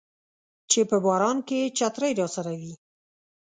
چې په باران کې چترۍ راسره وي